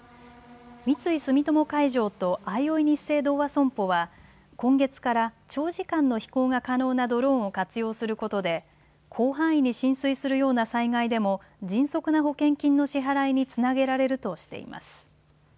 三井住友海上とあいおいニッセイ同和損保は今月から長時間の飛行が可能なドローンを活用することで広範囲に浸水するような災害でも迅速な保険金の支払いにつなげられるとしています。